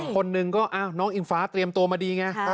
คนหนึ่งก็น้องอิงฟ้าเตรียมตัวมาดีไง